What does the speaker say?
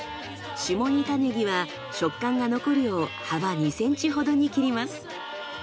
下仁田ねぎは食感が残るよう幅２センチほどに切ります。